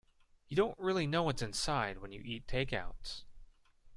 You don't really know what's inside when you eat takeouts.